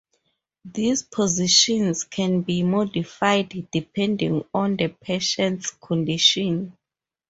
These positions can be modified depending on the patient's condition.